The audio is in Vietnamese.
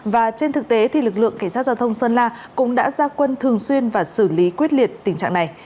và trên thực tế thì lực lượng cảnh sát giao thông sơn la cũng đã ra quân thường xuyên và xử lý quyết liệt tình trạng này